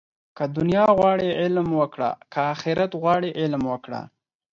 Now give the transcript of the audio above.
که دنیا غواړې، علم وکړه. که آخرت غواړې علم وکړه